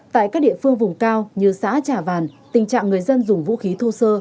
tại các địa phương vùng cao như xã trà vàn tình trạng người dân dùng vũ khí thô sơ